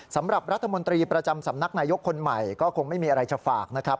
สำหรับรัฐมนตรีประจำสำนักนายกคนใหม่ก็คงไม่มีอะไรจะฝากนะครับ